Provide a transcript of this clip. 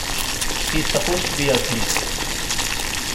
He's supposed to be ugly.